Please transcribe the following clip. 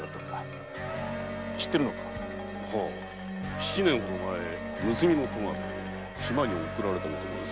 七年前盗みの罪で島に送られた男です。